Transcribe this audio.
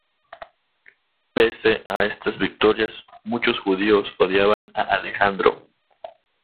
Pese a estas victorias, muchos judíos odiaban a Alejandro.